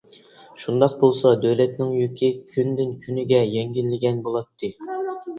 شۇنداق بولسا دۆلەتنىڭ يۈكى كۈندىن كۈنگە يەڭگىللىگەن بولاتتى.